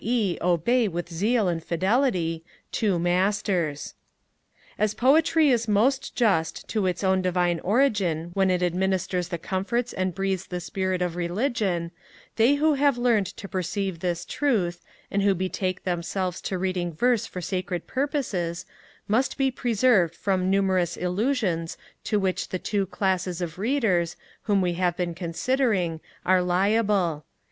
e. obey with zeal and fidelity) two Masters. As Poetry is most just to its own divine origin when it administers the comforts and breathes the spirit of religion, they who have learned to perceive this truth, and who betake themselves to reading verse for sacred purposes, must be preserved from numerous illusions to which the two Classes of Readers, whom we have been considering, are liable.